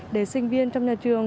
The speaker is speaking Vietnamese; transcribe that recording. để sinh viên trong nhà trường